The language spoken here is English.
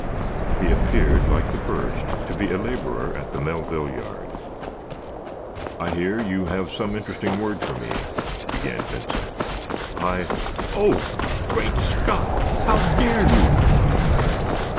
He appeared, like the first, to be a laborer at the Melville yard. "I hear you have some interesting word for me," began Benson. "I oh, great Scott! How dare you?"